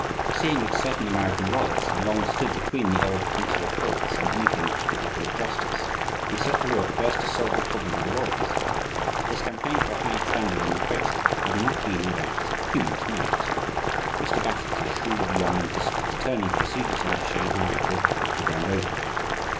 Seeing that certain American lawyers had long stood between the old consular courts and anything which could be called justice, he set to work first to solve the problem of the lawyers. His campaign for a higher standard on the Coast has not been without its humorous moments. Mr. Bassett, his shrewd young district attorney, preceded him to Shanghai to "look the ground over."